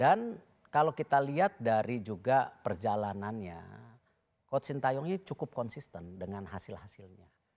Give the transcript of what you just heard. dan kalau kita lihat dari juga perjalanannya coach sinta yang ini cukup konsisten dengan hasil hasilnya